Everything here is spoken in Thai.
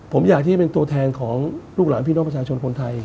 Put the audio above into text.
ผมอยากที่จะเป็นตัวแทนของลูกหลานพี่น้องประชาชนคนไทย